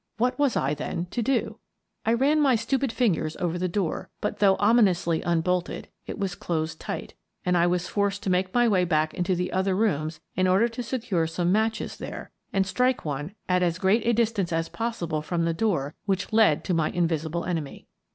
What was I, then, to do? I ran my stupid fingers over the door, but, though ominously unbolted, it was closed tight and I was forced to make my way back into the other rooms in order to secure some matches there and strike one at as great a distance as possible from the door which led to my invisible enemy.